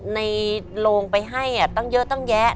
ในโรงไปให้ตั้งเยอะตั้งแยะ